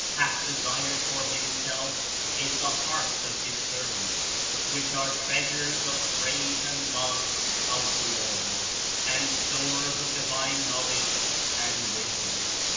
— hath desired for Himself is the hearts of His servants, which are treasures of praise and love of the Lord and stores of divine knowledge and wisdom.